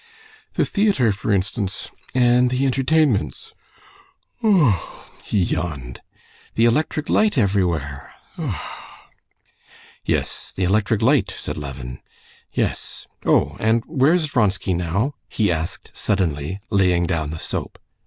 "The theater, for instance, and the entertainments ... a—a—a!" he yawned. "The electric light everywhere ... a—a—a!" "Yes, the electric light," said Levin. "Yes. Oh, and where's Vronsky now?" he asked suddenly, laying down the soap.